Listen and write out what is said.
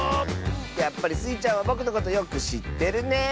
やっぱりスイちゃんはぼくのことよくしってるねえ。